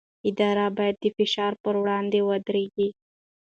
ادارې باید د فشار پر وړاندې ودرېږي